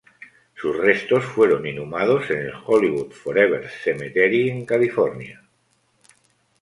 Sus restos fueron inhumados en el Hollywood Forever Cemetery en California.